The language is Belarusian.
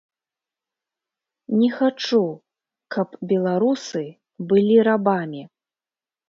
Не хачу, каб беларусы былі рабамі.